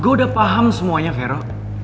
gue udah paham semuanya caro